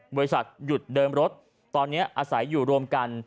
หยุดเดิมรถตอนนี้อาศัยอยู่รวมกัน